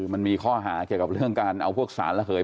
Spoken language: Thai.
มันมีข้อหาเรื่องการเอาพวกสารระเหย